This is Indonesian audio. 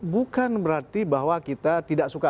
bukan berarti bahwa kita tidak suka